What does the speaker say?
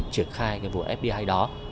triển khai cái vốn fdi đó